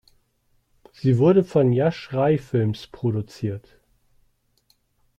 Sie wurde von Yash Raj Films produziert.